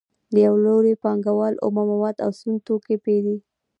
له یو لوري پانګوال اومه مواد او سون توکي پېري